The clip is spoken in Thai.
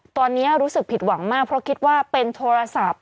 ตอนนี้รู้สึกผิดหวังมากเพราะคิดว่าเป็นโทรศัพท์